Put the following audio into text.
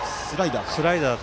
スライダーか。